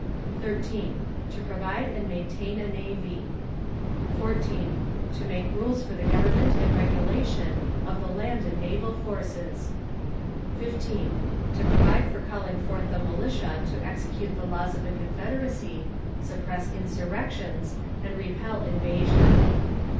13. To provide and maintain a navy. 14. To make rules for the government and regulation of the land and naval forces. 15. To provide for calling forth the militia to execute the laws of the Confederacy, suppress insurrections, and repel invasion.